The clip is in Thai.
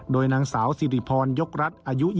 โดยนางสาวสิริพรยกรัฐอายุ๒